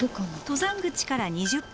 登山口から２０分。